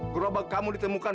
gerobak kamu ditemukan